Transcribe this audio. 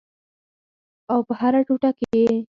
او په هره ټوټه کې یې